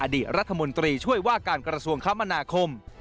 อดีตรัฐมนตรีช่วยว่าการกระทรวงคมนาคม